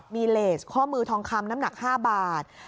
มีเลสข้อมือทองคำน้ำหนัก๕บาท